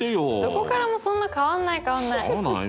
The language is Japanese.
どこからもそんな変わんない変わんない。